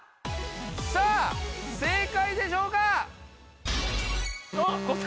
さあ正解でしょうか？